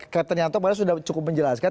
captain yanto pada sudah cukup menjelaskan